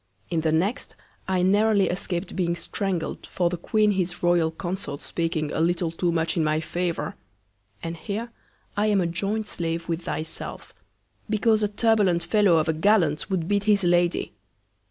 In the next, I narrowly escap'd being strangled, for the Queen his Royal Consort's speaking a little too much in my Favour; and here I am a joint Slave with thy self; because a turbulent Fellow of a Gallant would beat his Lady.